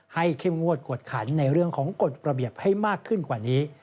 เข้มงวดกวดขันในเรื่องของกฎระเบียบให้มากขึ้นกว่านี้